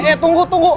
eh tunggu tunggu